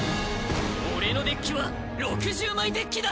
俺のデッキは６０枚デッキだ！